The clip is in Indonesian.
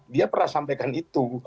dia pernah sampaikan itu